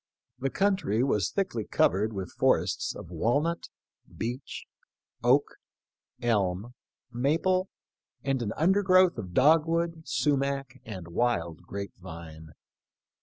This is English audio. The coun try was thickly covered with forests of walnut, beech, oak, elm, maple, and an undergrowth of dog wood, sumac, and wild grape vine.